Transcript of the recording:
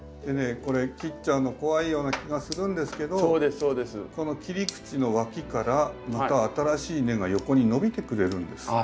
これ切っちゃうの怖いような気がするんですけどこの切り口のわきからまた新しい根が横に伸びてくれるんです。